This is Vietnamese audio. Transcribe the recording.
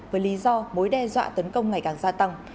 với lý do mối đe dọa tấn công ngày càng gia tăng